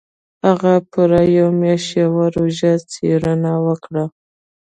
هغه پوره يوه مياشت يوه ژوره څېړنه وکړه.